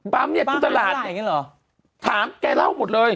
ปั๊มนี้กลุ่นตลาด